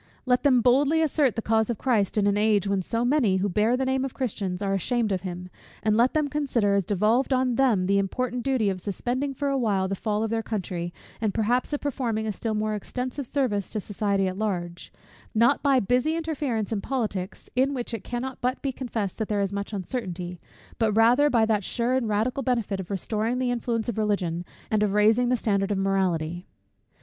Let them boldly assert the cause of Christ in an age when so many, who bear the name of Christians, are ashamed of Him: and let them consider as devolved on Them the important duty of suspending for a while the fall of their country, and, perhaps, of performing a still more extensive service to society at large; not by busy interference in politics, in which it cannot but be confessed there is much uncertainty; but rather by that sure and radical benefit of restoring the influence of Religion, and of raising the standard of morality.